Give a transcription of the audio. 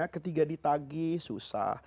ketika ditagi susah